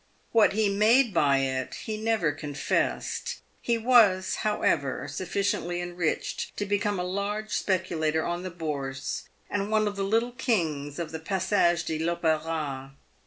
What he made by it, he never confessed. He was, how z 338 PAVED WITH GOLD. ever, sufficiently enriched to become a large speculator on the Bourse, and one of the little kings of the Passage de 1' Opera.